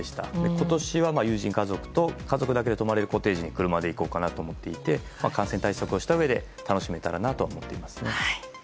今年は友人、家族と家族だけで泊まるコテージに車で行こうかなと思っていて感染対策をしたうえで楽しめたらなとは思っています。